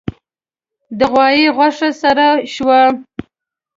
د غوايي غوښه سره شوه.